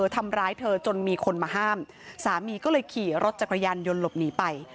ทำร้ายเธอจนมีคนมาห้ามสามีก็เลยขี่รถจักรยานยนต์หลบหนีไป